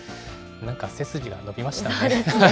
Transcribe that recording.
なんか背筋が伸びましたね。